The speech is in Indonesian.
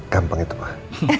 gampang itu pak